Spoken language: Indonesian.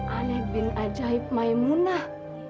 alebin ajaib maimunah